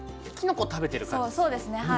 きのこ食べてる感じですよ。